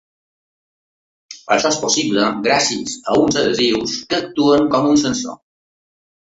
Això és possible gràcies a uns adhesius que actuen com un sensor.